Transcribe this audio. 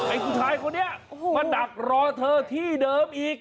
ผู้ชายคนนี้มาดักรอเธอที่เดิมอีก